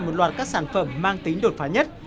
một loạt các sản phẩm mang tính đột phá nhất